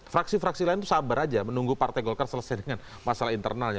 fraksi fraksi lain itu sabar aja menunggu partai golkar selesai dengan masalah internalnya